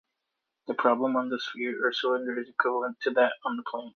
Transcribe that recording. The problem on the sphere or cylinder is equivalent to that on the plane.